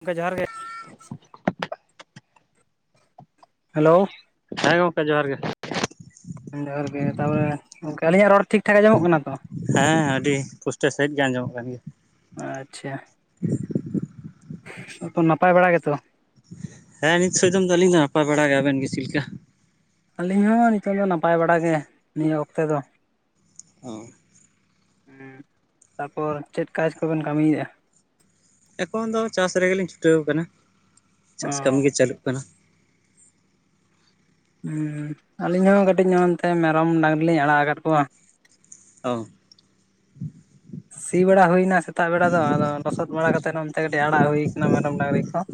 ᱜᱚᱝᱠᱮ ᱡᱚᱦᱟᱨ ᱜᱮ᱾ ᱦᱮᱞᱳ᱾ ᱦᱮᱸ ᱜᱚᱝᱠᱮ ᱡᱚᱸᱦᱟᱨ ᱜᱮ᱾ ᱡᱚᱸᱦᱟᱨ ᱜᱮ ᱛᱟᱯᱚᱨᱮ, ᱜᱚᱝᱠᱮ ᱟᱹᱞᱤᱧᱟᱜ ᱨᱚᱲ ᱴᱷᱤᱠ ᱴᱷᱟᱠ ᱟᱸᱡᱚᱢᱚᱜ ᱠᱟᱱᱟ ᱛᱚ? ᱦᱮᱸ ᱟᱹᱰᱤ ᱯᱩᱥᱴᱟᱹᱣᱥᱟᱺᱦᱤᱡ ᱜᱮ ᱟᱸᱡᱚᱢᱚᱜ ᱠᱟᱱ ᱜᱮᱭᱟ᱾ ᱟᱪᱪᱷᱟ, ᱮᱠᱷᱚᱱ ᱱᱟᱯᱟᱭ ᱵᱟᱲᱟ ᱜᱮᱛᱚ? ᱦᱮᱸ ᱱᱤᱛ ᱥᱳᱭᱫᱚᱢ ᱫᱚ ᱟᱹᱞᱤᱧ ᱫᱚ ᱱᱟᱯᱟᱭ ᱵᱟᱲᱟ ᱜᱮ ᱟᱵᱮᱱ ᱜᱮ ᱪᱤᱫ ᱞᱮᱠᱟ? ᱟᱹᱞᱤᱧ ᱦᱚᱸ ᱱᱤᱛᱚᱜ ᱫᱚ ᱱᱟᱯᱟᱭ ᱵᱟᱲᱟ ᱜᱮ ᱱᱤᱭᱟᱹ ᱚᱠᱛᱮ ᱫᱚ᱾ ᱦᱮᱸ᱾ ᱦᱩᱸ ᱛᱟᱯᱚᱨ ᱪᱮᱫ ᱠᱟᱡ ᱠᱚᱵᱮᱱ ᱠᱟᱢᱤᱭᱮᱜ-ᱟ? ᱮᱠᱷᱚᱱ ᱫᱚ ᱪᱟᱥ ᱨᱮᱜᱮᱞᱤᱧ ᱪᱷᱩᱴᱟᱹᱣ ᱠᱟᱱᱟ, ᱚ ᱪᱟᱥ ᱠᱟᱢᱤ ᱜᱮ ᱪᱟᱞᱩᱜ ᱠᱟᱱᱟ᱾ ᱦᱩᱸ, ᱟᱹᱞᱤᱧ ᱦᱚᱸ ᱠᱟᱹᱴᱤᱡ ᱱᱚᱜ ᱚᱱᱛᱮ ᱢᱮᱨᱚᱢ ᱰᱟᱝᱨᱤ ᱞᱤᱧ ᱟᱲᱟᱜ ᱟᱠᱟᱫ ᱠᱚᱣᱟ᱾ ᱚ᱾ ᱥᱤ ᱵᱟᱲᱟ ᱦᱩᱭᱱᱟ ᱥᱮᱛᱟᱜ ᱵᱮᱲᱟ ᱫᱚ ᱟᱫᱚ ᱞᱚᱥᱚᱫ ᱵᱟᱲᱟ ᱠᱟᱛᱮᱫ ᱱᱚᱱᱛᱮ ᱠᱟᱹᱴᱤᱡ ᱟᱲᱟᱜ ᱦᱩᱭ ᱠᱟᱱᱟ ᱢᱮᱨᱚᱢ ᱰᱟᱝᱨᱤ ᱠᱚ᱾ [inaudible]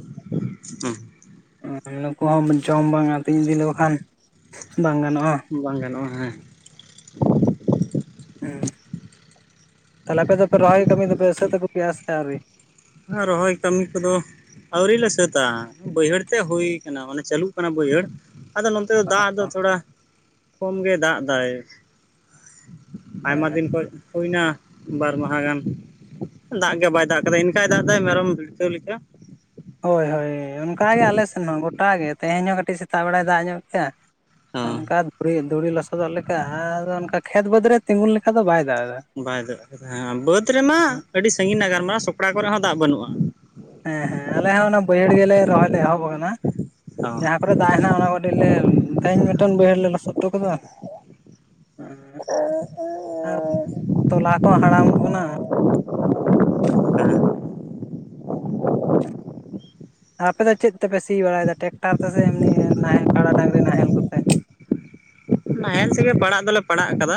ᱦᱩᱸ᱾ ᱮᱸ ᱱᱩᱠᱩ ᱦᱚᱸ ᱡᱚᱢ ᱵᱟᱝ ᱟᱹᱛᱤᱧ ᱵᱤ ᱞᱮᱠᱚ ᱠᱷᱟᱱ ᱵᱟᱝ ᱜᱟᱱᱚᱜᱼᱟ᱾ ᱵᱟᱝ ᱜᱟᱱᱚᱜᱼᱟ ᱦᱮᱸ᱾ ᱦᱩᱸ, ᱛᱟᱦᱞᱮ ᱟᱯᱮ ᱫᱚᱯᱮ ᱨᱚᱦᱚᱭ ᱠᱟᱹᱢᱤ ᱫᱚᱯᱮ ᱥᱟᱹᱛ ᱟᱹᱜᱩ ᱠᱮᱜ-ᱟ ᱥᱮ ᱟᱣᱨᱤ? ᱟ ᱨᱚᱦᱚᱭ ᱠᱟᱢᱤ ᱠᱚᱫᱚ ᱟᱹᱣᱨᱤᱞ ᱞᱮ ᱥᱟᱹᱛᱟ, ᱵᱟᱹᱭᱦᱟᱹᱲ ᱛᱮᱜ ᱦᱩᱭ ᱠᱟᱱᱟ ᱢᱟᱱᱮ ᱪᱟᱹᱞᱩᱜ ᱠᱟᱱᱟ ᱵᱟᱹᱭᱦᱟᱹᱲ᱾ ᱟᱫᱚ ᱱᱚᱱᱛᱮ ᱫᱚ ᱫᱟᱜ ᱫᱚ ᱛᱷᱚᱲᱟ ᱠᱚᱢ ᱜᱮ ᱫᱟᱜ ᱫᱟᱭ᱾ ᱟᱭᱢᱟ ᱦᱮᱸ ᱫᱤᱱ ᱠᱷᱚᱡ ᱦᱩᱭᱱᱟ ᱵᱟᱨ ᱢᱟᱸᱦᱟ ᱜᱟᱱ ᱫᱟᱜ ᱜᱮ ᱵᱟᱭ ᱫᱟᱜ ᱠᱟᱫᱟ ᱤᱱ ᱠᱟᱭ ᱫᱟᱜ ᱫᱟᱭ ᱢᱮᱨᱚᱢ ᱵᱷᱤᱲᱠᱟᱹᱣ ᱞᱮᱠᱟ, ᱦᱳᱭ ᱦᱳᱭ ᱚᱱᱠᱟ ᱜᱮ ᱟᱞᱮ ᱥᱮᱱ ᱦᱚᱸ ᱜᱚᱴᱟ ᱜᱮ ᱛᱮᱦᱮᱧ ᱦᱚᱸ ᱠᱟᱹᱴᱤᱡ ᱥᱮᱛᱟᱜ ᱵᱮᱲᱟᱭ ᱫᱟᱜ ᱧᱚᱜ ᱠᱮᱜ-ᱟ᱾ ᱚ ᱚᱱᱠᱟ ᱫᱷᱩᱨᱤ ᱫᱷᱩᱲᱤ ᱞᱚᱥᱚᱫᱚᱜ ᱞᱮᱠᱟ ᱟᱫᱚ ᱚᱱᱠᱟ ᱠᱷᱮᱛ ᱵᱟᱹᱫᱽ ᱨᱮ ᱛᱤᱸᱜᱩᱱ ᱞᱮᱠᱟ ᱫᱚ ᱵᱟᱭ ᱫᱟᱜ ᱮᱫᱟ᱾ ᱵᱟᱭ ᱫᱟᱜ ᱠᱟᱫᱟ, ᱦᱮᱸ ᱵᱟᱹᱫᱽ ᱨᱮᱢᱟ ᱟᱹᱰᱤ ᱥᱟᱺᱜᱤᱧ ᱨᱮᱱᱟᱜ ᱜᱟᱞᱢᱟᱨᱟᱣ ᱥᱚᱠᱲᱟ ᱠᱚᱨᱮ ᱦᱚᱸ ᱫᱟᱜ ᱵᱟᱹᱱᱩᱜᱼᱟ᱾ ᱦᱮᱸ ᱦᱮᱸ ᱟᱞᱮ ᱦᱚᱸ ᱚᱱᱟ ᱵᱟᱹᱭᱦᱟᱹᱲ ᱜᱮᱞᱮ ᱨᱚᱦᱚᱭ ᱞᱮ ᱮᱦᱚᱵ ᱟᱠᱟᱫᱟ ᱦᱚᱸ ᱡᱟᱦᱟᱸ ᱠᱚᱨᱮ ᱫᱟᱜ ᱦᱮᱱᱟᱜ ᱚᱱᱟ ᱠᱚ ᱠᱟᱹᱴᱤᱡ ᱞᱮ ᱛᱮᱦᱮᱧ ᱢᱤᱴᱴᱮᱱ ᱵᱟᱹᱭᱦᱟᱹᱲ ᱞᱮ ᱞᱚᱥᱚᱫ ᱦᱚᱴᱚ ᱠᱟᱫᱟ, ᱮᱸ ᱟᱨ ᱛᱚᱞᱟ ᱠᱚᱦᱚᱸ ᱦᱟᱲᱟᱢᱚᱜ ᱠᱟᱱᱟ᱾ [inaudible] ᱟᱯᱮ ᱫᱚ ᱪᱮᱫ ᱛᱮᱯᱮ ᱥᱤ ᱵᱟᱲᱟᱭᱮᱫᱟ ᱴᱮᱠᱴᱟᱨ ᱛᱮᱥᱮ ᱮᱢᱱᱤ ᱱᱟᱦᱮᱞ ᱠᱟᱲᱟ ᱰᱟᱝᱨᱤ ᱱᱟᱦᱮᱞ ᱠᱚᱛᱮ? ᱱᱟᱦᱮᱞ ᱛᱮᱜᱮ ᱯᱟᱲᱟᱜ ᱫᱚᱞᱮ ᱯᱟᱲᱟᱜ ᱟᱠᱟᱫᱟ᱾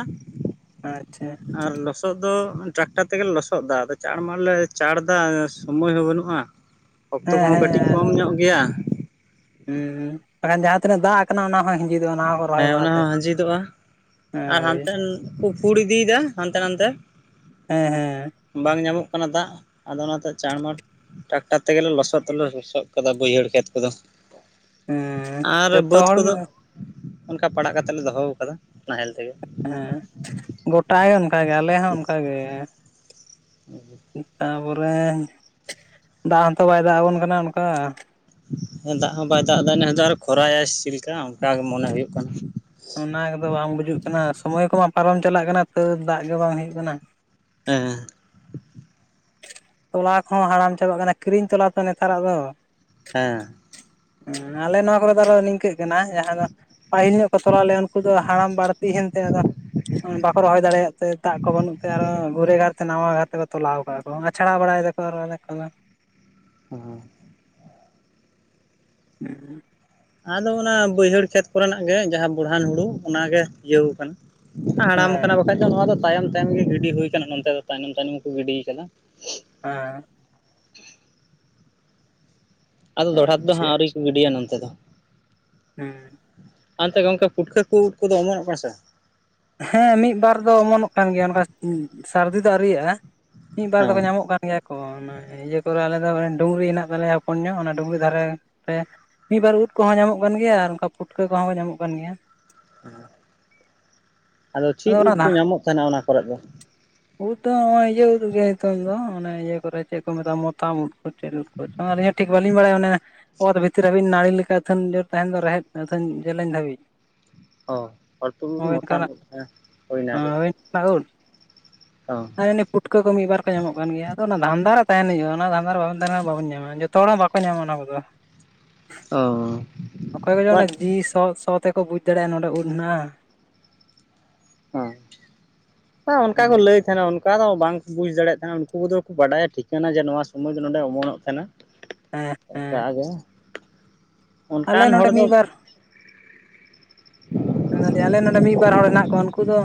ᱟᱪᱪᱷᱟ᱾ ᱟᱨ ᱞᱚᱥᱚᱫ ᱫᱚ ᱴᱨᱟᱠᱴᱟᱨ ᱛᱮᱜᱮᱞᱮ ᱞᱚᱥᱚᱫ ᱫᱟ, ᱟᱫᱚ ᱪᱟᱸᱲ ᱢᱟᱸᱲᱞᱮ ᱪᱟᱸᱲ ᱮᱫᱟ ᱥᱚᱢᱳᱭ ᱦᱚᱸ ᱵᱟᱹᱱᱩᱜᱼᱟ᱾ [inaudible] ᱚᱠᱛᱚ ᱠᱚᱦᱚᱸ ᱠᱟᱹᱴᱤᱡ ᱦᱮᱸ ᱠᱚᱢ ᱧᱚᱜ ᱜᱮᱭᱟ᱾ ᱦᱩᱸ ᱵᱟᱠᱷᱟᱱ ᱡᱟᱦᱟᱸ ᱛᱤᱱᱟᱹᱜ ᱫᱟᱜ ᱠᱟᱱᱟ ᱚᱱᱟ ᱦᱚᱸ ᱦᱤᱸᱡᱤᱫ ᱦᱮᱸ ᱚᱱᱟ ᱦᱚᱸ ᱦᱟᱸᱡᱤᱫᱚᱜᱼᱟ ᱟᱨ ᱦᱳᱭ ᱦᱟᱱᱛᱮᱱ ᱠᱚ ᱯᱩᱲ ᱤᱫᱤᱭᱫᱟ ᱦᱟᱱᱛᱮ ᱱᱟᱱᱛᱮ᱾ ᱦᱮᱸ ᱦᱮᱸ᱾ ᱵᱟᱝ ᱧᱟᱢᱚᱜ ᱠᱟᱱᱟ ᱫᱟᱜ ᱟᱫᱚ ᱚᱱᱟᱛᱮ ᱪᱟᱬᱢᱟᱬ ᱴᱨᱟᱠᱴᱟᱨ ᱛᱮᱜᱮᱞᱮ ᱞᱚᱥᱚᱫ ᱫᱚᱞᱮ ᱞᱚᱥᱚᱫ ᱠᱟᱫᱟ ᱵᱟᱹᱭᱦᱟᱹᱲ ᱠᱷᱮᱛ ᱠᱚᱫᱚ᱾ ᱦᱮᱸ ᱟᱨ ᱡᱚᱛᱚ ᱵᱟᱹᱫᱽ ᱦᱚᱲ ᱜᱮ ᱠᱚᱫᱚ ᱚᱱᱠᱟ ᱯᱟᱲᱟᱜ ᱠᱟᱛᱮ ᱞᱮ ᱫᱚᱦᱚᱣ ᱠᱟᱫᱟ ᱱᱟᱦᱮᱞ ᱛᱮᱜᱮ᱾ ᱦᱮᱸ ᱜᱚᱴᱟ ᱜᱮ ᱚᱱᱠᱟᱜᱮ ᱟᱞᱮ ᱦᱚᱸ ᱚᱱᱠᱟᱜᱮ᱾ [inaudible] ᱛᱟᱯᱚᱨᱮ ᱫᱟᱜ ᱦᱚᱸ ᱛᱚ ᱵᱟᱭ ᱫᱟᱜ ᱟᱵᱚᱱ ᱠᱟᱱᱟ ᱚᱱᱠᱟ ᱾ ᱦᱮᱸ ᱫᱟᱜ ᱦᱚᱸ ᱵᱟᱭ ᱫᱟᱜ ᱮᱫᱟ ᱱᱮᱥ ᱫᱚ ᱟᱨᱚ ᱠᱷᱚᱨᱟᱭᱟᱭ ᱥᱤ ᱪᱮᱫ ᱞᱮᱠᱟ ᱚᱱᱠᱟ ᱜᱮ ᱢᱚᱱᱮ ᱦᱩᱭᱩᱜ ᱠᱟᱱᱟ ᱾ ᱚᱱᱟ ᱜᱚᱫᱚ ᱵᱟᱝ ᱵᱩᱡᱩᱜ ᱠᱟᱱᱟ, ᱥᱚᱢᱚᱭ ᱠᱚᱢᱟ ᱯᱟᱨᱚᱢ ᱪᱟᱞᱟᱜ ᱠᱟᱱᱟ ᱛᱟᱹᱣ ᱫᱟᱜ ᱜᱮ ᱵᱟᱝ ᱦᱩᱭᱩᱜ ᱠᱟᱱᱟ ᱾ ᱦᱮᱸ ᱾ ᱛᱚᱞᱟ ᱠᱚᱦᱚᱸ ᱦᱟᱲᱟᱢ ᱪᱟᱵᱟᱜ ᱠᱟᱱᱟ ᱠᱤᱨᱤᱧ ᱛᱚᱞᱟ ᱛᱚ ᱱᱮᱛᱟᱨᱟᱜ ᱫᱚ ᱾ ᱦᱮᱸ ᱾ ᱦᱮᱸ ᱟᱞᱮ ᱱᱚᱣᱟ ᱠᱚᱨᱮ ᱫᱚ ᱟᱨᱚ ᱱᱤᱝᱠᱟᱹᱜ ᱤᱱᱟᱹᱜ ᱡᱟᱦᱟᱸ ᱫᱚ ᱯᱟᱹᱦᱤᱞ ᱧᱚᱜ ᱠᱚ ᱛᱚᱞᱟ ᱞᱮᱜᱼᱟ ᱩᱱᱠᱩ ᱫᱚ ᱦᱟᱲᱟᱢ ᱵᱟᱹᱲᱛᱤ ᱮᱱᱛᱮ ᱟᱫᱚᱼᱼ ᱵᱟᱠᱚ ᱨᱚᱦᱚᱭ ᱫᱟᱲᱮᱭᱟᱜ ᱛᱮ ᱫᱟᱜ ᱠᱚ ᱵᱟᱹᱱᱩᱜ ᱛᱮ ᱟᱨᱚ ᱜᱷᱩᱨᱮ ᱜᱟᱨ ᱛᱮ ᱱᱟᱣᱟ ᱜᱷᱟᱨᱛᱮ ᱠᱚ ᱛᱚᱞᱟᱣ ᱟᱠᱟᱫ ᱠᱚ, ᱟᱪᱷᱟᱲᱟ ᱵᱟᱲᱟᱭ ᱫᱟᱠᱚ ᱟᱨᱚ ᱟᱫᱮᱠ ᱠᱚᱫᱚ ᱾ ᱦᱩᱸ ᱾ [unintelligible] ᱟᱫᱚ ᱚᱱᱟ ᱵᱟᱹᱭᱦᱟᱹᱲ ᱠᱷᱮᱛ ᱠᱚᱨᱮᱱᱟᱜ ᱜᱮ ᱡᱟᱦᱟᱸ ᱵᱚᱲᱦᱟᱱ ᱦᱩᱲᱩ ᱚᱱᱟ ᱜᱮ ᱤᱭᱟᱹᱣ ᱟᱠᱟᱱᱟ ᱾ ᱦᱟᱲᱟᱢ ᱟᱠᱟᱱᱟ ᱾ ᱦᱚᱭᱛᱳ ᱱᱚᱣᱟ ᱫᱚ ᱛᱟᱭᱚᱢ ᱛᱟᱭᱱᱚᱢ ᱜᱮ ᱜᱤᱰᱤ ᱦᱳᱭ ᱠᱟᱱᱟ ᱱᱚᱱᱛᱮ ᱫᱚ ᱛᱟᱭᱱᱚᱢ ᱛᱟᱭᱱᱚᱢ ᱜᱮ ᱠᱩ ᱜᱤᱰᱤ ᱟᱠᱟᱫᱟ ᱾ ᱦᱮᱸ ᱾ ᱟᱫᱚ ᱦᱮᱸ ᱫᱚᱲᱦᱟ ᱛᱮ ᱫᱚ ᱟᱪᱪᱷᱟ ᱦᱟᱸᱜ ᱟᱹᱣᱨᱤ ᱠᱚ ᱜᱤᱰᱤᱭᱟ ᱱᱚᱱᱛᱮ ᱫᱚ ᱾ ᱦᱩᱸ ᱾ ᱟᱨ ᱚᱱᱛᱮ ᱜᱚᱝᱠᱮ ᱯᱩᱴᱠᱟᱹ ᱠᱩ ᱩᱫ ᱠᱚᱫᱚ ᱚᱢᱚᱱᱚᱜ ᱠᱟᱱᱟ ᱥᱮ ᱵᱟᱝ? ᱦᱮᱸ ᱢᱤᱫ ᱵᱟᱨ ᱫᱚ ᱚᱢᱚᱱᱚᱜ ᱠᱟᱱ ᱜᱮᱭᱟ, ᱱᱚᱠᱟ ᱥᱟᱹᱨᱫᱤ ᱫᱚ ᱟᱹᱣᱨᱤᱭᱟᱜᱼᱟ ᱢᱤᱫ ᱵᱟᱨ ᱦᱮᱸ ᱫᱚᱠᱚ ᱧᱟᱢᱚᱜ ᱠᱟᱱ ᱜᱮᱭᱟ ᱠᱚ, ᱚᱱᱟ ᱤᱭᱟᱹ ᱠᱚᱨᱮ ᱟᱞᱮ ᱫᱚ ᱰᱩᱝᱨᱤ ᱦᱮᱱᱟᱜ ᱛᱟᱞᱮᱭᱟ ᱦᱚᱯᱚᱱ ᱧᱚᱜ ᱚᱱᱟ ᱰᱩᱝᱨᱤ ᱫᱷᱟᱨᱮ ᱨᱮ ᱢᱤᱫ ᱵᱟᱨ ᱩᱫ ᱠᱚᱦᱚᱸ ᱧᱟᱢᱚᱜ ᱠᱟᱱ ᱜᱮᱭᱟ ᱟᱨ ᱚᱱᱠᱟ ᱯᱩᱴᱠᱟᱹ ᱠᱚᱦᱚᱸ ᱠᱚ ᱧᱟᱢᱚᱜ ᱠᱟᱱ ᱜᱮᱭᱟ ᱾ ᱦᱮᱸ [unintelligible] ᱟᱫᱚ ᱪᱮᱫ ᱩᱫ ᱠᱩ ᱧᱟᱢᱚᱜ ᱠᱟᱱᱟ ᱚᱱᱟ ᱠᱚᱨᱮᱜ ᱫᱚ? ᱩᱫ ᱫᱚ ᱦᱚᱜ-ᱚᱭ ᱤᱭᱟᱹ ᱩᱫ ᱜᱮ, ᱦᱤᱛᱚᱝ ᱫᱚ ᱚᱱᱮ ᱤᱭᱟᱹ ᱠᱚᱨᱮ ᱪᱮᱫ ᱠᱚ ᱢᱮᱛᱟᱜᱼᱟ ᱢᱚᱛᱟᱢ ᱩᱫ ᱠᱚ ᱪᱮᱫ ᱩᱫ [unintelligible] ᱟᱹᱞᱤᱧ ᱦᱚᱸ ᱴᱷᱤᱠ ᱵᱟᱹᱞᱤᱧ ᱵᱟᱲᱟᱭᱟ ᱚᱱᱟᱹᱜ ᱾ ᱚᱛ ᱵᱷᱤᱛᱤᱨ ᱦᱟᱹᱵᱤᱡ ᱱᱟᱹᱲᱤ ᱞᱮᱠᱟ ᱟᱹᱛᱷᱮᱢ ᱡᱳᱨ ᱛᱟᱸᱦᱮᱱ ᱫᱚ ᱨᱮᱦᱮᱫ ᱟᱹᱛᱷᱟᱹᱱ ᱡᱮᱞᱮᱧ ᱫᱷᱟᱹᱵᱤᱡ ᱾ ᱚ ᱦᱚᱭ ᱛᱚ ᱢᱚᱛᱟᱢ ᱚᱱᱠᱟᱱᱟᱜ ᱩᱫ ᱠᱟᱱ ᱾ ᱚ [unintelligible] ᱯᱩᱴᱠᱟᱹ ᱠᱚ ᱢᱤᱫ ᱵᱟᱨ ᱠᱚ ᱧᱟᱢᱚᱜ ᱠᱟᱱ ᱜᱮᱭᱟ, ᱟᱫᱚ ᱚᱱᱟ ᱫᱷᱟᱱᱫᱟ ᱨᱮ ᱛᱟᱦᱮᱸᱱ ᱦᱩᱭᱩᱜ-ᱟ ᱚᱱᱟ ᱫᱷᱟᱸᱫᱟ ᱨᱮ ᱵᱟᱵᱮᱱ ᱛᱟᱦᱮᱸ ᱞᱮᱱ ᱠᱷᱟᱱ ᱫᱚ ᱵᱟᱵᱮᱱ ᱧᱟᱢᱟ ᱾ ᱡᱚᱼᱼ ᱡᱚᱛᱚ ᱦᱚᱲ ᱦᱚᱸ ᱵᱟᱠᱚ ᱧᱟᱢᱟ ᱚᱱᱟ ᱠᱚᱫᱚ ᱾ ᱚ ᱾ ᱚᱠᱚᱭ ᱠᱚ ᱫᱚ ᱚᱱᱟ ᱡᱤ ᱥᱚᱶ ᱥᱚᱶ ᱛᱮᱠᱚ ᱵᱩᱡ ᱫᱟᱲᱮᱜᱼᱟ ᱱᱚᱸᱰᱮ ᱩᱫ ᱦᱮᱱᱟᱜᱼᱟ ᱾ ᱦᱩᱸ, ᱦᱚᱸ ᱚᱱᱠᱟ ᱜᱚ ᱞᱟᱹᱭ ᱛᱟᱦᱮᱱᱟ ᱚᱱ ᱚᱠᱟ ᱫᱚ ᱵᱟᱝᱠᱚ ᱵᱩᱡᱽ ᱫᱟᱲᱮᱭᱟᱜ ᱛᱟᱦᱮᱱᱟ ᱩᱱᱠᱩ ᱫᱚᱠᱚ ᱵᱟᱰᱟᱭᱟ ᱴᱷᱤᱠᱟᱹᱱᱟ ᱡᱮ ᱱᱚᱣᱟ ᱥᱚᱢᱚᱭ ᱫᱚ ᱱᱚᱸᱰᱮ ᱚᱢᱚᱱᱚᱜ ᱛᱟᱦᱮᱱᱟ ᱦᱮᱸ ᱾ ᱦᱮᱸ ᱚᱠᱟ ᱟᱫᱚ, ᱟᱞᱮ ᱚᱱᱠᱟᱱ ᱦᱚᱲ ᱱᱚᱰᱮ ᱫᱚ ᱢᱤᱫ ᱵᱟᱨ ᱟᱞᱮ ᱱᱚᱸᱰᱮ ᱢᱤᱜ ᱵᱟᱨ ᱦᱚᱲ ᱦᱮᱱᱟᱜ ᱠᱚᱣᱟ ᱩᱱᱠᱩ ᱫᱚ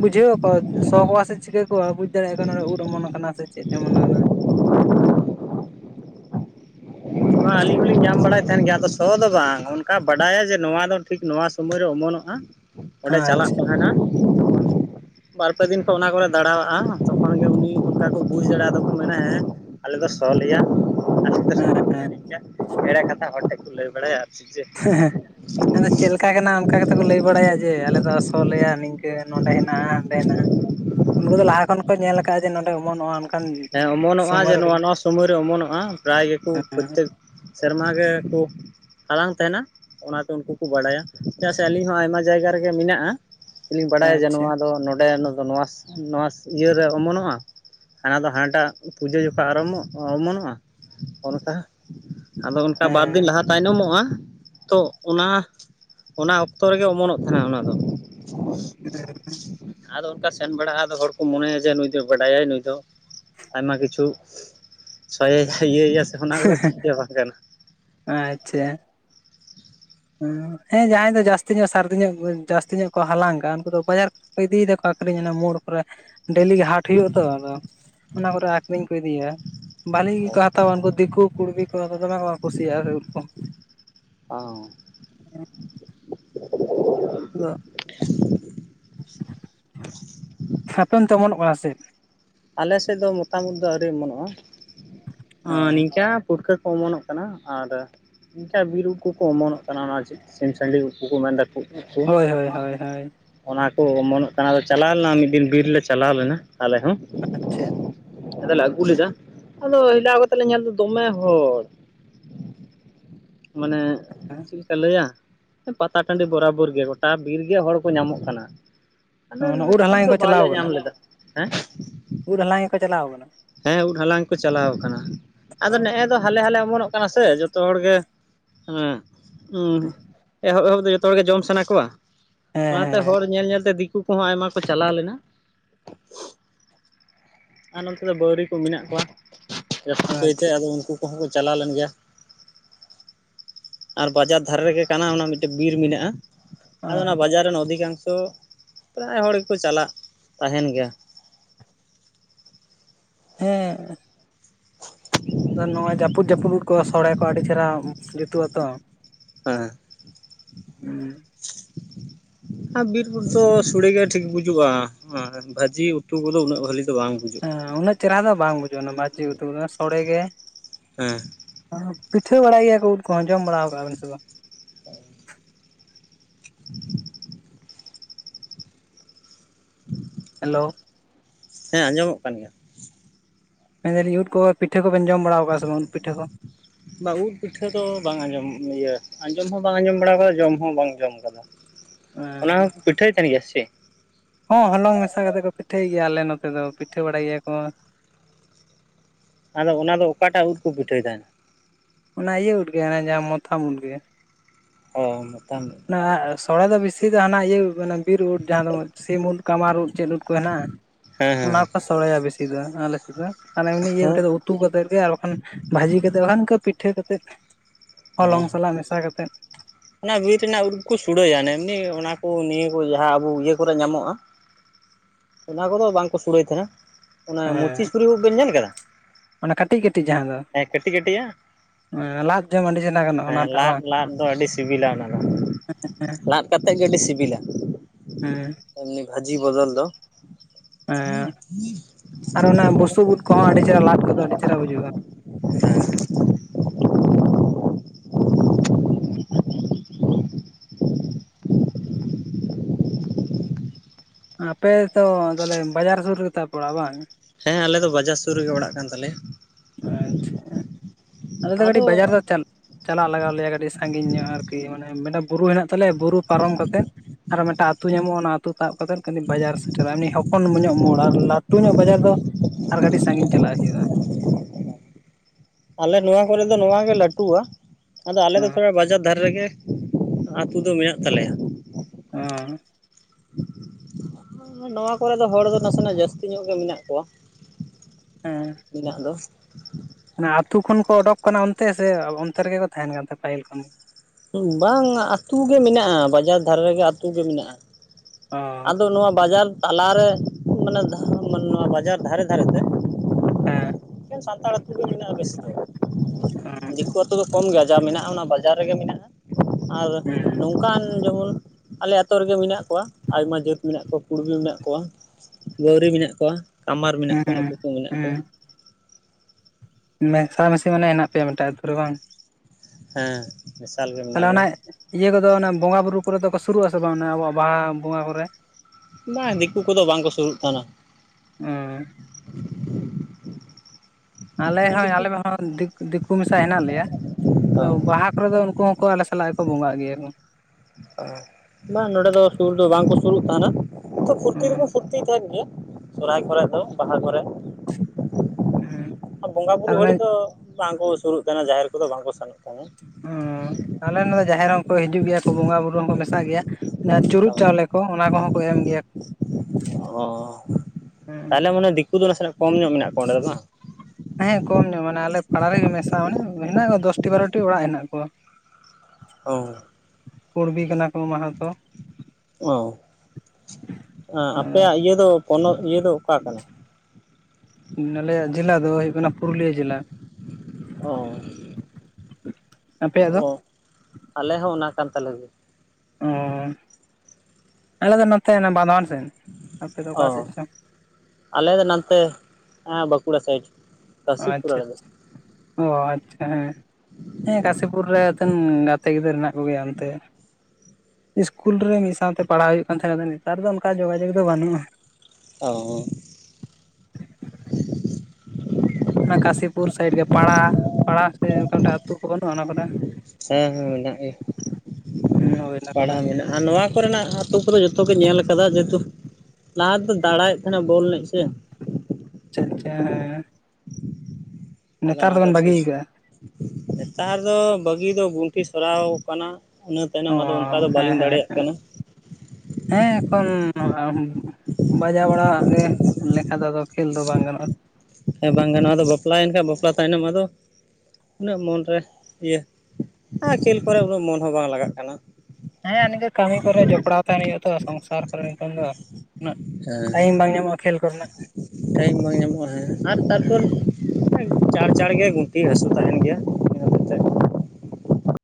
ᱵᱩᱡᱷᱟᱹᱣ ᱟᱠᱚᱼᱼ ᱥᱚ ᱠᱚᱣᱟ ᱥᱮ ᱪᱤᱠᱟᱹ ᱠᱚᱣᱟ ᱵᱩᱡᱽ ᱫᱟᱲᱮᱭᱟᱜ-ᱟ ᱠᱚ ᱱᱚᱸᱰᱮ ᱩᱫ ᱚᱢᱚᱱᱚᱜ ᱠᱟᱱᱟ ᱥᱮ ᱪᱮᱫ ᱚᱢᱚᱱ ᱠᱟᱱᱟ ᱾ ᱦᱚᱸ ᱟᱹᱞᱤᱧ ᱦᱚᱞᱤᱧ ᱧᱟᱢ ᱵᱟᱲᱟᱭ ᱛᱟᱦᱮᱱ ᱜᱮᱭᱟ, ᱟᱫᱚ ᱥᱚ ᱫᱚ ᱵᱟᱝ ᱚᱱᱠᱟ ᱵᱟᱰᱟᱭᱟ ᱡᱮ ᱱᱚᱣᱟ ᱫᱚ ᱴᱷᱤᱠ ᱱᱚᱣᱟ ᱥᱚᱢᱚᱭ ᱨᱮ ᱚᱢᱚᱱᱚᱜ-ᱟ ᱾ ᱚᱸᱰᱮ ᱪᱟᱞᱟᱜ ᱟᱪᱪᱷᱟ ᱠᱚ ᱛᱟᱦᱮᱱᱟ ᱾ ᱵᱟᱨ ᱯᱮ ᱫᱤᱱ ᱠᱷᱚᱱ ᱚᱱᱟ ᱠᱚᱨᱮ ᱫᱟᱸᱲᱟᱣᱟᱜᱼᱟ ᱛᱚᱠᱷᱚᱱ ᱜᱮ ᱩᱱᱤᱼᱼ ᱚᱱᱠᱟ ᱠᱚ ᱵᱩᱡᱽ ᱫᱟᱲᱮ ᱟᱫᱚ ᱠᱚ ᱢᱮᱱᱟ ᱟᱞᱮ ᱫᱚ ᱥᱚ ᱞᱮᱭᱟ ᱾ ᱟᱫᱚ ᱦᱮᱸ ᱦᱮᱸ ᱮᱲᱟ ᱠᱟᱛᱷᱟ ᱦᱚᱲ ᱴᱷᱮᱡ ᱠᱚ ᱞᱟᱹᱭ ᱵᱟᱲᱟᱭᱟ ᱾ ᱦᱮᱸ ᱦᱮᱸ ᱟᱫᱚ ᱪᱮᱜᱞᱠᱟ ᱠᱟᱱᱟ ᱚᱱᱠᱟ ᱜᱮᱛᱚ ᱠᱚ ᱞᱟᱹᱭ ᱵᱟᱲᱟᱭᱟ ᱡᱮ ᱟᱞᱮ ᱫᱚᱥ ᱚ ᱞᱮᱭᱟ ᱱᱤᱝᱠᱟᱹ ᱱᱚᱱᱰᱮ ᱦᱮᱱᱟᱜ-ᱟ ᱦᱟᱸᱰᱮ ᱦᱮᱱᱟᱜ-ᱟ ᱩᱱᱠᱩ ᱫᱚ ᱞᱟᱦᱟ ᱠᱷᱚᱱ ᱠᱚ ᱧᱮᱞ ᱟᱠᱟᱜ-ᱟ ᱡᱮ ᱱᱚᱸᱰᱮ ᱚᱢᱚᱱᱚᱜ-ᱟ ᱚᱱᱠᱟ ᱦᱮᱸ ᱚᱢᱚᱱᱚᱜ-ᱟ ᱡᱮ ᱱᱚᱣᱟ ᱱᱚᱣᱟ ᱥᱩᱢᱚᱭ ᱨᱮ ᱚᱢᱚᱱᱚᱜ-ᱟ ᱯᱨᱟᱭ ᱜᱮᱠᱚ ᱯᱨᱚᱛᱛᱮᱠ ᱥᱮᱨᱢᱟ ᱜᱮ ᱠᱩ ᱦᱟᱞᱟᱝ ᱛᱟᱸᱦᱮᱱᱟ ᱚᱱᱟᱛᱮ ᱩᱱᱠᱩ ᱠᱩ ᱵᱟᱰᱟᱭᱟ ᱪᱮᱫᱟᱜ ᱥᱮ ᱟᱹᱞᱤᱧ ᱦᱚᱸ ᱟᱭᱢᱟ ᱡᱟᱭᱜᱟ ᱨᱮᱜᱮ ᱢᱤᱱᱟᱜ-ᱟ, ᱟᱹᱞᱤᱧ ᱵᱟᱲᱟᱭᱟ ᱡᱮ ᱟᱪᱪᱷᱟ ᱱᱚᱣᱟ ᱫᱚ ᱱᱚᱰᱮ ᱱᱚᱣᱟ ᱥᱤ ᱱᱚᱣᱟ ᱥᱤᱭᱟᱹ ᱨᱮ ᱚᱢᱚᱱᱚᱜ-ᱟ ᱦᱟᱱᱟ ᱫᱚ ᱦᱟᱱᱟᱴᱟᱜ ᱯᱩᱡᱟᱹ ᱡᱚᱠᱷᱚᱱ ᱟᱨᱚᱢᱚᱜ ᱚᱢᱚᱱᱚᱜ-ᱟ ᱚᱱᱠᱟ ᱟᱫᱚ ᱚᱱᱠᱟ ᱵᱟᱨ ᱫᱤᱱ ᱦᱮᱸ ᱞᱟᱦᱟ ᱛᱟᱭᱱᱚᱢᱚᱜ-ᱟ ᱛᱚ ᱚᱱᱟ ᱚᱱᱟ ᱚᱠᱛᱚ ᱨᱮᱜᱮ ᱚᱢᱚᱱᱚᱜ ᱛᱟᱦᱮᱱᱟ ᱚᱱᱟ ᱫᱚ, ᱦᱮᱸ ᱟᱫᱚ ᱚᱱᱠᱟ ᱥᱮᱱ ᱵᱟᱲᱟᱜ ᱟ ᱟᱫᱚ ᱚᱠᱟ ᱥᱮᱱ ᱵᱟᱲᱟ-ᱟ ᱦᱚᱲ ᱠᱚ ᱢᱚᱱᱮᱭᱟ ᱡᱮ ᱱᱩᱭ ᱫᱚᱭ ᱵᱟᱰᱟᱭᱟᱭ ᱱᱩᱭ ᱫᱚ ᱟᱭᱢᱟ ᱠᱤᱪᱷᱩ ᱥᱚᱭᱮ ᱥᱮ ᱤᱭᱟᱹᱭ ᱟᱥᱮ ᱚᱱᱟ ᱠᱚᱫᱚ ᱪᱤᱫ ᱜᱮ ᱵᱟᱝ ᱠᱟᱱᱟ᱾ ᱟᱪᱪᱷᱟ᱾ ᱦᱩᱸ ᱦᱮᱸ ᱡᱟᱦᱟᱸᱭ ᱫᱚ ᱡᱟᱹᱥᱛᱤ ᱧᱚᱜ ᱥᱟᱹᱨᱫᱤ ᱧᱚᱜ ᱡᱟᱹᱥᱛᱤ ᱧᱚᱜ ᱠᱚ ᱦᱟᱞᱟᱝᱟ ᱩᱱᱠᱩ ᱫᱚ ᱵᱟᱡᱟᱨᱼᱼ ᱤᱫᱤᱭ ᱫᱟᱠᱚ ᱟᱠᱷᱨᱤᱧ ᱚᱱᱟ ᱢᱳᱲ ᱠᱚᱨᱮ ᱰᱮᱞᱤ ᱜᱮ ᱦᱟᱴ ᱦᱩᱭᱩᱜ-ᱟ ᱛᱚ, ᱟᱫᱚ ᱚᱱᱟ ᱠᱚᱨᱮ ᱟᱠᱷᱨᱤᱧ ᱠᱚ ᱤᱫᱤᱭᱟ ᱾ ᱵᱷᱟᱹᱞᱤ ᱜᱮ ᱠᱚ ᱦᱟᱛᱟᱣᱟ, ᱩᱱᱠᱩ ᱫᱤᱠᱩ ᱠᱩᱲᱵᱤ ᱠᱚ ᱫᱚᱢᱮ ᱠᱚ ᱠᱩᱥᱤᱭᱟᱜ-ᱟ ᱠᱚ ᱥᱮ ᱩᱫ ᱠᱚ ᱾ [unintelligible] [unintelligible] [unintelligible] ᱟᱯᱮ ᱚᱱᱛᱮ ᱚᱢᱚᱱᱚᱜ ᱠᱟᱱᱟ ᱥᱮ ᱟᱞᱮ ᱥᱮᱫ ᱫᱚ ᱢᱚᱛᱟᱢ ᱩᱫ ᱫᱚ ᱟᱹᱣᱨᱤ ᱚᱢᱚᱱᱚᱜ-ᱟ, ᱚ ᱱᱤᱝᱠᱟᱹ ᱯᱩᱴᱠᱟᱹ ᱠᱚ ᱚᱢᱚᱱᱚᱜ ᱠᱟᱱᱟ ᱟᱨ ᱤᱱᱠᱟ ᱵᱤᱨ ᱩᱫ ᱠᱚ ᱠᱚ ᱚᱢᱚᱱᱚᱜ ᱠᱟᱱᱟ, ᱚᱱᱟ ᱪᱮᱫ ᱥᱤᱢ ᱥᱟᱸᱹᱰᱤ ᱩᱫ ᱠᱚ ᱠᱚ ᱢᱮᱱᱫᱟ ᱾ ᱦᱳᱭ, ᱦᱳᱭ, ᱦᱳᱭ ᱦᱳᱭ ᱾ ᱚᱱᱟ ᱠᱚ ᱢᱚᱱᱚᱜ ᱠᱟᱱᱟ ᱟᱫᱚ ᱪᱟᱞᱟᱣ ᱞᱮᱱᱟ ᱢᱤᱫ ᱫᱤᱱ ᱵᱤᱨ ᱞᱮ ᱪᱟᱞᱟᱣ ᱞᱮᱱᱟ ᱟᱞᱮ ᱦᱚᱸ ᱾ ᱟᱪᱪᱷᱟ ᱾ ᱟᱫᱚ ᱞᱮ ᱟᱜᱩ ᱞᱤᱫᱟ, ᱟᱫᱚ ᱦᱮᱞᱟᱣ ᱠᱟᱛᱮᱜ ᱞᱮ ᱧᱮᱞ ᱫᱟ ᱫᱚᱢᱮ ᱦᱚᱲ ᱾ ᱢᱟᱱᱮ ᱪᱮᱫ ᱞᱮᱠᱟ ᱞᱟᱹᱭᱟ? ᱯᱟᱛᱟ ᱴᱟᱸᱹᱰᱤ ᱵᱚᱨᱟ ᱵᱳᱨ ᱜᱮ ᱜᱚᱴᱟ ᱵᱤᱨ ᱜᱮ ᱦᱚᱲ ᱠᱚ ᱧᱟᱢᱚᱜ ᱠᱟᱱᱟ ᱾ ᱟᱫᱚ ᱟᱞᱮ ᱚᱱᱟ ᱫᱚ ᱩᱫ ᱠᱷᱩᱵ ᱦᱟᱞᱟᱝ ᱫᱚ ᱜᱮᱠᱚ ᱵᱟᱞᱮ ᱪᱟᱞᱟᱣ ᱠᱟᱱᱟ ᱧᱟᱢ ᱞᱮᱫᱟ ᱾ ᱦᱮᱸ ᱩᱫ ᱦᱟᱞᱟᱝ ᱜᱮᱠᱚ ᱪᱟᱞᱟᱣ ᱠᱟᱱᱟ ᱦᱮᱸ ᱩᱫ ᱦᱟᱞᱟᱝ ᱠᱚ ᱪᱟᱞᱟᱣ ᱠᱟᱱᱟ ᱾ᱟᱫᱚ ᱱᱮᱜ--ᱮ ᱫᱚ ᱦᱟᱞᱮ ᱦᱟᱞᱮ ᱚᱢᱚᱱᱚᱜ ᱠᱟᱱᱟ ᱥᱮ, ᱡᱚᱛᱚ ᱦᱚᱲ ᱜᱮ ᱮᱦᱚᱵ ᱮᱦᱚᱵ ᱫᱚ ᱡᱚᱛᱚ ᱦᱚᱲ ᱜᱮ ᱡᱚᱢ ᱥᱟᱱᱟ ᱠᱚᱣᱟ ᱾ ᱦᱮᱸ ᱚᱱᱟ ᱛᱮ ᱦᱚᱲ ᱦᱮᱸ ᱧᱮᱞ ᱧᱮᱞ ᱛᱮ ᱫᱤᱠᱩ ᱠᱚᱦᱚᱸ ᱟᱭᱢᱟ ᱠᱚ ᱪᱟᱞᱟᱣ ᱞᱮᱱᱟ ᱾ ᱟᱨ ᱱᱚᱱᱛᱮ ᱫᱚ ᱵᱟᱹᱣᱨᱤ ᱠᱚ ᱢᱮᱱᱟᱜ ᱠᱚᱣᱟ ᱡᱟᱹᱥᱛᱤ ᱠᱟᱭᱛᱮ ᱟᱪᱪᱷᱟ ᱟᱫᱚ ᱩᱱᱠᱩ ᱠᱚᱦᱚᱸ ᱠᱚ ᱪᱟᱞᱟᱣ ᱞᱮᱱ ᱜᱮᱭᱟ ᱾ ᱟᱨ ᱵᱟᱡᱟᱨ ᱫᱷᱟᱨᱮ ᱨᱮᱜᱮ ᱠᱟᱱᱟ ᱚᱱᱟ ᱢᱤᱫᱴᱮᱡ ᱵᱤᱨ ᱢᱮᱱᱟᱜ-ᱟ ᱾ ᱟᱫᱚ ᱚᱱᱟ ᱵᱟᱡᱟᱨ ᱨᱮᱱ ᱚᱫᱷᱤᱠᱟᱝᱥᱚ ᱯᱨᱟᱭ ᱦᱚᱲ ᱜᱮᱠᱚ ᱪᱟᱞᱟᱜ ᱛᱟᱦᱮᱸᱱ ᱜᱮᱭᱟ ᱾ ᱦᱮᱸ ᱾ [unintelligible] ᱱᱚᱣᱟ ᱡᱟᱹᱯᱩᱫ ᱡᱟᱹᱯᱩᱫ ᱩᱫ ᱠᱚ ᱥᱚᱲᱮ ᱠᱚ ᱟᱹᱰᱤ ᱪᱮᱦᱨᱟ ᱡᱩᱛᱩᱜ-ᱟ ᱛᱚ ᱾ ᱦᱮᱸ ᱾ [unintelligible] ᱟᱨ ᱵᱤᱨ ᱩᱫ ᱫᱚ ᱥᱳᱲᱮ ᱜᱮ ᱴᱷᱤᱠ ᱵᱩᱡᱩᱜ-ᱟ, ᱵᱷᱟᱹᱡᱤ ᱩᱛᱩ ᱠᱚᱫᱚ ᱩᱱᱟᱹᱜ ᱵᱷᱟᱹᱞᱤ ᱫᱚ ᱵᱟᱝ ᱵᱩᱡᱩᱜᱼᱟ ᱦᱮᱸ, ᱩᱱᱟᱹᱜ ᱪᱮᱦᱨᱟ ᱫᱚ ᱵᱟᱝ ᱵᱩᱡᱩᱜ-ᱟ ᱚᱱᱟ ᱵᱷᱟᱹᱡᱤ ᱩᱛᱩ ᱫᱚ ᱥᱳᱲᱮ ᱜᱮ ᱾ ᱦᱮᱸ ᱯᱤᱴᱷᱟᱹ ᱵᱟᱲᱟᱭ ᱜᱮᱭᱟ ᱠᱚ ᱩᱫ ᱠᱚᱦᱚᱸ ᱡᱚᱢ ᱵᱟᱲᱟ ᱟᱠᱟᱜ-ᱟ ᱵᱤᱱ ᱥᱮᱫ ᱵᱟᱝ? [inaudible] ᱦᱮᱞᱳ ᱾ ᱦᱮᱸ ᱟᱸᱡᱚᱢᱚᱜ ᱠᱟᱱ ᱜᱮᱭᱟ ᱾ ᱢᱮᱱ ᱫᱟ ᱞᱤᱧ ᱩᱫᱽ ᱠᱚ ᱯᱤᱴᱷᱟᱹ ᱠᱚ ᱵᱮᱱ ᱡᱚᱢ ᱵᱟᱲᱟᱣ ᱠᱟᱜᱼᱟ ᱥᱮ ᱵᱟᱝ ᱩᱫᱽ ᱯᱤᱴᱷᱟᱹ ᱠᱚ? ᱵᱟ ᱩᱫᱽ ᱯᱤᱴᱷᱟᱹ ᱫᱚ ᱵᱟᱝ ᱟᱸᱡᱚᱢ ᱤᱭᱟᱹ ᱟᱸᱡᱚᱢ ᱦᱚᱸ ᱵᱟᱝ ᱟᱸᱡᱚᱢ ᱵᱟᱲᱟ ᱠᱟᱫᱟ, ᱡᱚᱢ ᱦᱚᱸ ᱵᱟᱝ ᱡᱚᱢ ᱠᱟᱫᱟ᱾ ᱚᱱᱟ ᱦᱚᱸ ᱠᱚ ᱯᱤᱴᱷᱟᱹᱭ ᱛᱟᱦᱮᱹᱱ ᱜᱮᱭᱟ ᱥᱮ ᱪᱮᱜ? ᱦᱚᱸ ᱦᱚᱞᱚᱝ ᱢᱮᱥᱟ ᱠᱟᱛᱮᱫ ᱠᱚ ᱯᱤᱴᱷᱟᱹᱭ ᱜᱮᱭᱟ ᱟᱞᱮ ᱱᱚᱛᱮ ᱫᱚ, ᱯᱤᱴᱷᱟᱹ ᱵᱟᱲᱟᱭ ᱜᱮᱭᱟ ᱠᱚ ᱾ ᱟᱫᱚ ᱚᱱᱟ ᱫᱚ ᱚᱠᱟᱴᱟᱜ ᱩᱫᱽ ᱠᱚ ᱯᱤᱴᱷᱟᱹᱭ ᱛᱟᱦᱮᱸᱱ? ᱚᱱᱟ ᱤᱭᱟᱹ ᱩᱫᱽ ᱜᱮ ᱦᱟᱱᱮ ᱡᱟᱦᱟᱸ ᱢᱚᱛᱟᱢ ᱩᱫᱽ ᱜᱮ ᱾ ᱚ, ᱢᱚᱛᱟᱢ ᱩᱫᱽ ᱾ ᱱᱟ ᱥᱚᱲᱮ ᱫᱚ ᱵᱤᱥᱤ ᱫᱚ ᱦᱟᱸᱱᱟ ᱤᱭᱟᱹ ᱢᱟᱱᱮ ᱵᱤᱨ ᱩᱫᱽ, ᱡᱟᱦᱟᱸ ᱫᱚ ᱥᱤᱢ ᱩᱫᱽ, ᱠᱟᱢᱟᱨ ᱩᱫᱽ ᱪᱮᱫ ᱩᱫᱽ ᱠᱚ ᱦᱮᱱᱟᱜᱼᱟ ᱦᱮᱸ ᱦᱮᱸ ᱚᱱᱟ ᱥᱳᱲᱮᱭᱟ ᱵᱤᱥᱤ ᱫᱚ ᱟᱞᱮ ᱥᱮᱫ ᱫᱚ ᱾ ᱦᱟᱸᱱᱮ ᱮᱢᱱᱤ ᱤᱭᱟᱹ ᱦᱮᱸ [unintelligible] ᱩᱛᱩ ᱠᱟᱛᱮᱫ ᱜᱮ ᱟᱨ ᱵᱟᱠᱷᱟᱱ ᱵᱷᱟᱹᱡᱤ ᱠᱟᱛᱮᱫ ᱵᱟᱠᱷᱟᱱ ᱤᱱᱠᱟᱹ ᱯᱤᱴᱷᱟᱹ ᱠᱟᱛᱮᱫ, ᱦᱚᱞᱚᱝ ᱦᱮᱸ ᱥᱟᱞᱟᱜ ᱢᱮᱥᱟ ᱠᱟᱛᱮᱫ ᱾ ᱚᱱᱟ ᱵᱤᱨ ᱨᱮᱱᱟᱜ ᱩᱫᱽ ᱜᱮᱠᱚ ᱥᱩᱲᱮᱭᱟ ᱾ ᱮᱢᱱᱤ ᱚᱱᱟ ᱠᱚ ᱱᱤᱭᱟᱹ ᱠᱚ ᱡᱟᱦᱟᱸ ᱟᱵᱚ ᱤᱭᱟᱹ ᱠᱚ ᱨᱮ ᱧᱟᱢᱚᱜᱼᱟ, ᱚᱱᱟ ᱠᱚᱫᱚ ᱵᱟᱝᱠᱚ ᱥᱩᱲᱮ ᱛᱟᱦᱮᱸᱱᱟ ᱚᱱᱟ ᱦᱮᱸ ᱢᱩᱪᱤ ᱥᱩᱲᱤ ᱵᱮᱱ ᱧᱮᱞ ᱠᱟᱫᱟ? ᱚᱱᱟ ᱠᱟᱹᱴᱤᱡ ᱠᱟᱹᱴᱤᱡ ᱡᱟᱦᱟᱸ ᱫᱚ? ᱦᱮᱸ ᱠᱟᱹᱴᱤᱡ ᱠᱟᱹᱴᱤᱭᱟᱜ? ᱦᱮᱸ ᱞᱟᱫ ᱡᱚᱢ ᱟᱹᱰᱤ ᱪᱮᱦᱨᱟ ᱜᱟᱱᱚᱜᱼᱟ ᱚᱱᱟᱴᱟᱜ ᱞᱟᱫ ᱵᱟᱝ? ᱞᱟᱫ ᱫᱚ ᱟᱹᱰᱤ ᱥᱤᱵᱤᱞᱟ ᱚᱱᱟ ᱫᱚ ᱦᱮᱸ ᱞᱟᱫ ᱠᱟᱛᱮᱫ ᱜᱮ ᱟᱹᱰᱤ ᱥᱤᱵᱤᱞᱟ᱾ ᱦᱮᱸ ᱮᱢᱱᱤ ᱵᱷᱟᱹᱡᱤ ᱵᱚᱫᱚᱞ ᱫᱚ ᱮᱸ ᱟᱨ ᱚᱱᱟ ᱵᱩᱥᱩᱵ ᱩᱫ ᱠᱚᱦᱚᱸ ᱟᱹᱰᱤ ᱪᱮᱦᱨᱟ ᱞᱟᱫᱽ ᱠᱚᱫᱚ ᱟᱹᱰᱤ ᱪᱮᱦᱨᱟ ᱵᱩᱡᱩᱜᱼᱟ᱾ ᱟᱯᱮ ᱛᱚ ᱛᱟᱦᱚᱞᱮ ᱵᱟᱡᱟᱨ ᱥᱩᱨ ᱨᱮᱜᱮ ᱛᱟᱯᱮ ᱚᱲᱟᱜ ᱫᱚ ᱵᱟᱝ? ᱦᱮᱸ ᱟᱞᱮ ᱫᱚ ᱵᱟᱡᱟᱨ ᱥᱩᱨ ᱨᱮᱜᱮ ᱚᱲᱟᱜ ᱠᱟᱱ ᱛᱟᱞᱮᱭᱟ᱾ ᱟᱪᱪᱷᱟ ᱟᱞᱮ ᱫᱚ ᱠᱟᱹᱴᱤᱡ ᱟᱫᱚ ᱵᱟᱡᱟᱨ ᱨᱮ [unintelligible] ᱪᱟᱞᱟᱜ ᱞᱟᱜᱟᱣ ᱞᱮᱭᱟ ᱠᱟᱹᱴᱤᱡ ᱥᱟᱺᱜᱤᱧ ᱧᱚᱜ ᱟᱨᱠᱤ ᱢᱟᱱᱮ ᱢᱤᱫᱴᱟᱹᱝ ᱵᱩᱨᱩ ᱦᱮᱸᱱᱟᱜ ᱛᱟᱞᱮᱭᱟ ᱵᱩᱨᱩ ᱯᱟᱨᱚᱢ ᱠᱟᱛᱮᱫ ᱟᱨᱚ ᱢᱤᱫᱴᱟᱝ ᱟᱹᱛᱩ ᱧᱟᱢᱚᱜᱼᱟ ᱚᱱᱟ ᱟᱹᱛᱩ ᱛᱟᱵ ᱠᱟᱛᱮᱫ ᱠᱷᱟᱞᱤ ᱵᱟᱡᱟᱨ ᱥᱮᱴᱮᱨᱚᱜᱼᱟ ᱮᱢᱱ ᱦᱚᱯᱚᱱ ᱧᱚᱜ ᱢᱳᱲ ᱟᱨ ᱞᱟᱹᱴᱩ ᱧᱚᱜ ᱵᱟᱡᱟᱨ ᱫᱚ ᱟᱨ ᱠᱟᱹᱴᱤᱡ ᱥᱟᱺᱜᱤᱧ ᱪᱟᱞᱟᱜ ᱦᱩᱭᱩᱜᱼᱟ᱾ ᱟᱞᱮ ᱱᱚᱣᱟ ᱠᱚᱨᱮ ᱫᱚ ᱱᱚᱣᱟ ᱜᱮ ᱞᱟᱹᱴᱩᱣᱟ, ᱟᱫᱚ ᱟᱞᱮ ᱫᱚ ᱛᱷᱚᱲᱟ ᱵᱟᱡᱟᱨ ᱫᱷᱟᱨᱮ ᱨᱮᱜᱮ ᱟᱹᱛᱩ ᱫᱚ ᱢᱮᱱᱟᱜ ᱛᱟᱞᱮᱭᱟ᱾ ᱚᱸ᱾ ᱱᱚᱣᱟ ᱠᱚᱨᱮ ᱫᱚ ᱦᱚᱲ ᱫᱚ ᱱᱟᱥᱮᱱᱟᱜ ᱡᱟᱹᱥᱛᱤ ᱧᱚᱜ ᱜᱮ ᱢᱮᱱᱟᱜ ᱠᱚᱣᱟ᱾ ᱢᱮᱱᱟᱜ ᱫᱚ᱾ ᱟᱱᱮ ᱟᱹᱛᱩ ᱠᱷᱚᱱ ᱠᱚ ᱚᱰᱳᱠ ᱠᱟᱱᱟ ᱚᱱᱛᱮ ᱥᱮ ᱚᱱᱛᱮ ᱨᱮᱜᱮ ᱠᱚ ᱛᱟᱦᱮᱸᱱ ᱠᱟᱱ ᱛᱟᱦᱮᱸᱱ ᱯᱟᱹᱦᱤᱞ ᱠᱷᱚᱱᱜᱮ? ᱵᱟᱝ ᱟᱹᱛᱩ ᱜᱮ ᱢᱮᱱᱟᱜᱼᱟ ᱵᱟᱡᱟᱨ ᱫᱷᱟᱨᱮ ᱨᱮᱜᱮ ᱟᱹᱛᱩ ᱜᱮ ᱢᱮᱱᱟᱜᱼᱟ᱾ ᱚ ᱟᱫᱚ ᱱᱚᱣᱟ ᱵᱟᱡᱟᱨ ᱛᱟᱞᱟᱨᱮ ᱢᱟᱱᱮ ᱱᱚᱣᱟ ᱵᱟᱡᱟᱨ ᱫᱷᱟᱨᱮ ᱫᱷᱟᱨᱮ ᱛᱮ, ᱦᱮᱸ᱾ ᱮᱠᱮᱱ ᱥᱟᱱᱛᱟᱲ ᱟᱹᱛᱩ ᱜᱮ ᱢᱮᱱᱟᱜᱼᱟ ᱵᱮᱥ ᱫᱚ᱾ ᱫᱤᱠᱩ ᱟᱛᱩ ᱫᱚ ᱠᱚᱢ ᱜᱮᱭᱟ ᱡᱟ ᱢᱮᱱᱟᱜᱼᱟ ᱚᱱᱟ ᱵᱟᱡᱟᱨ ᱨᱮᱜᱮ ᱢᱮᱱᱟᱜᱼᱟ᱾ ᱟᱨ ᱱᱚᱝᱠᱟᱱ ᱡᱮᱢᱚᱱ ᱟᱞᱮ ᱟᱛᱳ ᱨᱮᱜᱮ ᱢᱮᱱᱟᱜ ᱠᱚᱣᱟ ᱟᱭᱢᱟ ᱡᱟᱹᱛ ᱢᱮᱱᱟᱜ ᱠᱚᱣᱟ ᱠᱩᱲᱵᱤ ᱢᱮᱱᱟᱜ ᱠᱚᱣᱟ᱾ ᱵᱟᱹᱣᱨᱤ ᱢᱮᱱᱟᱜ ᱠᱚᱣᱟ ᱠᱟᱢᱟᱨ ᱢᱮᱱᱟᱜ ᱠᱚᱣᱟ ᱱᱩᱠᱩ ᱦᱩᱸ ᱠᱚ ᱢᱮᱱᱟᱜ ᱠᱚᱣᱟ᱾ ᱦᱩᱸ ᱢᱮᱥᱟ ᱢᱤᱥᱤ ᱢᱟᱱᱮ ᱦᱮᱸᱱᱟᱜ ᱯᱮᱭᱟ ᱢᱤᱫᱴᱟᱹᱝ ᱟᱛᱳ ᱨᱮ ᱵᱟᱝ? ᱦᱮᱸ᱾ ᱢᱮᱥᱟᱞ ᱜᱮ᱾ ᱢᱮᱱᱟᱜ ᱛᱟᱦᱚᱞᱮ ᱚᱱᱟ ᱞᱮᱭᱟ ᱤᱭᱟᱹ ᱠᱚᱫᱚ ᱚᱱᱟ ᱵᱚᱸᱜᱟᱼᱵᱩᱨᱩ ᱠᱚᱨᱮ ᱫᱚᱠᱚ ᱥᱩᱨᱩᱜ ᱟᱥᱮ ᱵᱟᱝ ᱟᱵᱚᱣᱟᱜ ᱵᱟᱦᱟ ᱵᱚᱸᱜᱟ ᱠᱚᱨᱮ? ᱵᱟᱝ ᱫᱤᱠᱩ ᱠᱚᱫᱚ ᱵᱟᱝᱠᱚ ᱥᱩᱨᱩᱜ ᱛᱟᱦᱮᱸᱱᱟ᱾ ᱚᱸ᱾ ᱟᱞᱮ ᱦᱚᱸ ᱫᱤᱠᱩ ᱟᱞᱮᱢᱟᱦᱚᱸ ᱫᱤᱠ ᱫᱤᱠᱩ ᱢᱮᱥᱟ ᱦᱮᱱᱟᱜ ᱞᱮᱭᱟ᱾ ᱟᱫᱚ ᱵᱟᱝ ᱵᱟᱦᱟ ᱠᱚᱨᱮᱫᱚ ᱩᱱᱠᱩ ᱦᱚᱸᱠᱚ ᱟᱞᱮ ᱥᱟᱞᱟᱜ ᱜᱮᱠᱚ ᱵᱚᱸᱜᱟᱜ ᱜᱮᱭᱟ ᱠᱚ᱾ ᱚ᱾ ᱵᱟᱝ ᱱᱚᱰᱮ ᱫᱚ ᱥᱩᱨ ᱫᱚ ᱵᱟᱝᱠᱚ ᱥᱩᱨᱩᱜ ᱛᱟᱦᱮᱸᱱᱟ᱾ ᱯᱷᱩᱨᱛᱤ ᱫᱚᱠᱚ ᱦᱩᱸ ᱯᱷᱩᱨᱛᱤ ᱛᱟᱦᱮᱸᱫ ᱜᱮᱭᱟ᱾ ᱥᱚᱨᱦᱟᱭ ᱠᱚᱨᱮᱜ ᱫᱚ, ᱵᱟᱦᱟ ᱠᱚᱨᱮ? ᱦᱩᱸ᱾ ᱟ ᱵᱚᱸᱜᱟ ᱵᱩᱨᱩ ᱟᱨ ᱜᱷᱟᱹᱲᱤᱡ ᱚᱱᱮ ᱫᱚ ᱵᱟᱝᱠᱚ ᱥᱩᱨᱩᱜ ᱛᱟᱦᱮᱸᱱᱟ, ᱡᱟᱦᱮᱨ ᱠᱚᱫᱚ ᱵᱟᱝᱠᱚ ᱥᱮᱱᱚᱜ ᱛᱟᱦᱮᱸᱜ᱾ ᱚᱸ ᱟᱞᱮ ᱱᱚᱰᱮ ᱫᱟ ᱡᱟᱦᱮᱨ ᱦᱚᱸᱠᱚ ᱦᱤᱡᱩᱜ ᱜᱮᱭᱟ ᱠᱚ ᱵᱚᱸᱜᱟ ᱵᱩᱨᱩ ᱠᱚᱨᱮ ᱦᱚᱸᱠᱚ ᱢᱮᱥᱟᱜ ᱜᱮᱭᱟ, ᱡᱟᱦᱟᱸ ᱪᱩᱨᱩᱡ ᱪᱟᱣᱞᱮ ᱠᱚ ᱚᱱᱟ ᱠᱚᱦᱚᱸ ᱠᱚ ᱮᱢ ᱜᱮᱭᱟ᱾ ᱚᱻ ᱛᱟᱦᱞᱮ ᱩᱱᱩᱠᱩ ᱫᱚ ᱱᱟᱥᱮᱱᱟᱜ ᱠᱚ ᱧᱚᱜ ᱢᱮᱱᱟᱜ ᱠᱚᱣᱟ ᱚᱸᱰᱮ ᱫᱚ ᱵᱟᱝ? ᱦᱮᱸ ᱠᱚᱢ ᱧᱚᱜ ᱢᱟᱱᱮ ᱟᱞᱮ ᱯᱟᱲᱟ ᱨᱮᱜᱮ ᱢᱮᱥᱟ ᱢᱟᱱᱮ ᱦᱮᱱᱟᱜ ᱠᱚᱣᱟ ᱫᱚᱥᱴᱤ ᱵᱟᱨᱚᱴᱤ ᱚᱲᱟᱜ ᱦᱮᱱᱟᱜ ᱠᱚᱣᱟ᱾ [inaudible] ᱦᱳᱣ᱾ ᱠᱩᱲᱵᱤ ᱠᱟᱱᱟ ᱠᱚ ᱢᱟᱦᱟᱛᱚ᱾ ᱚ᱾ ᱟᱸ ᱟᱯᱮᱭᱟᱜ ᱤᱭᱟᱹ ᱫᱚ ᱯᱚᱱᱚ ᱤᱭᱟᱹ ᱫᱚ ᱚᱠᱟ ᱠᱟᱱᱟ? ᱟᱞᱮᱭᱟᱜ ᱡᱮᱞᱟ ᱫᱚ ᱦᱩᱭᱩᱜ ᱠᱟᱱᱟ ᱯᱩᱨᱩᱞᱤᱭᱟᱹ ᱡᱮᱞᱟ᱾ ᱚ᱾ ᱟᱯᱮᱭᱟᱜ ᱫᱚ ᱚ᱾ ᱟᱞᱮ ᱦᱚᱸ ᱚᱱᱟ ᱠᱟᱱ ᱛᱟᱞᱮ ᱜᱮ᱾ ᱚ᱾ ᱟᱞᱮ ᱫᱚ ᱱᱚᱛᱮ ᱱᱚᱣᱟ ᱵᱟᱸᱫᱷᱣᱟᱱ ᱥᱮᱱ᱾ ᱟᱯᱮ ᱫᱚ ᱚ ᱚᱠᱟ ᱥᱮᱫ ᱪᱚᱝ? ᱟᱞᱮ ᱫᱚ ᱱᱟᱱᱛᱮ ᱮᱸ ᱵᱟᱸᱠᱩᱲᱟ ᱥᱟᱭᱤᱴ᱾ ᱟᱪᱪᱷᱟ ᱟᱪᱷᱟ ᱚ ᱟᱪᱪᱷᱟ ᱦᱮᱸ᱾ ᱦᱮᱸ ᱠᱟᱥᱤᱯᱩᱨ ᱨᱮ ᱟᱹᱛᱷᱟᱹᱱ ᱜᱟᱛᱮ ᱜᱤᱫᱟᱹᱨ ᱢᱮᱱᱟᱜ ᱠᱚᱜᱮᱭᱟ ᱚᱱᱛᱮ᱾ ᱤᱥᱠᱩᱞ ᱨᱮ ᱢᱤᱫ ᱥᱟᱶᱛᱮ ᱯᱟᱲᱦᱟᱣ ᱦᱩᱭᱩᱜ ᱠᱟᱱ ᱛᱟᱦᱮᱸᱱ ᱟᱫᱚ ᱱᱮᱛᱟᱨ ᱫᱚ ᱚᱱᱠᱟ ᱡᱳᱜᱟᱡᱳᱜᱽ ᱫᱚ ᱵᱟᱹᱱᱩᱜᱼᱟ᱾ ᱚ᱾ ᱚᱱᱟ ᱠᱟᱥᱤᱯᱩᱨ ᱥᱟᱭᱤᱰ ᱜᱮ ᱯᱟᱲᱟ᱾ ᱯᱟᱲᱟ ᱥᱮ ᱚᱱᱠᱟ ᱢᱤᱫᱴᱟᱝ ᱟᱹᱛᱩ ᱠᱚ ᱵᱟᱹᱱᱩᱜᱼᱟ ᱚᱱᱟ ᱠᱚᱨᱮ? ᱦᱮᱸ ᱦᱮᱸ ᱢᱮᱱᱟᱜ ᱜᱮᱭᱟ᱾ ᱦᱳᱭ ᱚᱱᱟ ᱯᱟᱲᱟ ᱠᱚᱨᱮ ᱢᱮᱱᱟᱜ ᱟᱨ ᱱᱚᱣᱟ ᱠᱚᱨᱮᱱᱟᱜ ᱟᱛᱩ ᱠᱚᱫᱚ ᱡᱷᱚᱛᱚᱜᱮ ᱧᱮᱞ ᱟᱠᱟᱫᱟ ᱡᱮᱦᱮᱛᱩ ᱞᱟᱦᱟ ᱛᱮᱫᱚ ᱫᱟᱬᱟᱭᱮᱜ ᱛᱟᱦᱮᱱᱟ ᱵᱚᱞ ᱮᱱᱮᱡ ᱥᱮ᱾ ᱟᱪᱪᱷᱟ ᱟᱪᱪᱷᱟ ᱦᱮᱸ᱾ ᱟᱫᱚ ᱱᱮᱛᱟᱨ ᱱᱚᱭᱛᱚ ᱫᱚᱵᱮᱱ ᱵᱟᱹᱜᱤᱭ ᱥᱩᱥ᱾ ᱠᱟᱜᱼᱟ ᱱᱮᱛᱟᱨ ᱫᱚ ᱵᱟᱹᱜᱤ ᱫᱚ ᱜᱩᱱᱴᱷᱤ ᱥᱚᱨᱟᱣ ᱠᱟᱱᱟ᱾ ᱤᱱᱟᱹ ᱛᱟᱭᱱᱚᱢ ᱚ ᱟᱫᱚ ᱚᱱᱠᱟ ᱫᱚ ᱦᱮᱸ ᱵᱟᱞᱤᱧ ᱦᱮᱸ ᱫᱟᱲᱮᱭᱟᱜ ᱦᱮᱸ ᱠᱟᱱᱟ᱾ ᱦᱮᱸ ᱮᱠᱷᱚᱱ ᱟᱢ ᱵᱟᱡᱟᱣ ᱵᱟᱲᱟ ᱜᱮ ᱞᱮᱠᱷᱟ ᱫᱚ ᱟᱫᱚ ᱠᱷᱮᱞ ᱫᱚ ᱵᱟᱝ ᱜᱟᱱᱚᱜᱼᱟ᱾ ᱦᱮᱸ ᱵᱟᱝ ᱜᱟᱱᱚᱜ-ᱟ ᱟᱫᱚ ᱵᱟᱯᱞᱟᱭᱮᱱ ᱠᱷᱟᱱ ᱵᱟᱯᱞᱟ ᱛᱟᱭᱱᱚᱢ ᱟᱫᱚ ᱩᱱᱟᱹᱜ ᱢᱚᱱᱨᱮ ᱤᱭᱟᱹ ᱟᱨ ᱠᱷᱮᱞ ᱠᱚᱨᱮ ᱩᱱᱟᱹᱜ ᱢᱚᱱ ᱦᱚᱸ ᱵᱟᱝ ᱞᱟᱜᱟᱜ ᱠᱟᱱᱟ᱾ ᱦᱮᱸ ᱟᱨ ᱱᱤᱝᱠᱟᱹ ᱠᱟᱹᱢᱤ ᱠᱚᱨᱮ ᱡᱚᱯᱲᱟᱣ ᱛᱟᱦᱮᱱ ᱦᱩᱭᱩᱜ ᱟᱛᱚ ᱥᱚᱝᱥᱟᱨ ᱠᱚᱨᱮ ᱱᱤᱛᱚᱝ ᱫᱚ᱾ ᱩᱱᱟᱹᱜ ᱦᱮᱸ᱾ ᱴᱟᱭᱤᱢ ᱵᱟᱝ ᱧᱟᱢᱚᱜᱼᱟ ᱠᱷᱮᱞ ᱠᱚᱨᱮᱱᱟᱜ ᱴᱟᱭᱤᱢ ᱵᱟᱝ ᱧᱟᱢᱚᱜᱼᱟ ᱦᱮᱸ᱾ ᱟᱨ ᱛᱟᱨᱯᱚᱨ ᱪᱟᱸᱲ ᱪᱟᱸᱲᱜᱮ ᱜᱩᱱᱴᱷᱤ ᱦᱟᱹᱥᱩ ᱛᱟᱦᱮᱱ ᱜᱮᱭᱟ᱾ ᱤᱱᱟᱹ ᱠᱟᱛᱮᱫ